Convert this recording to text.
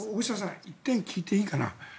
一点、聞いていいかな。